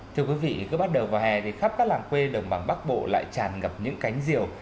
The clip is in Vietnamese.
thưa quý vị cứ bắt đầu vào hè thì khắp các làng quê đồng bằng bắc bộ lại tràn ngập những cánh diều